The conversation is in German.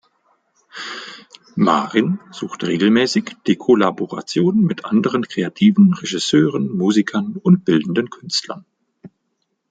Marin sucht regelmäßig die Kollaboration mit anderen Kreativen, Regisseuren, Musikern und bildenden Künstlern.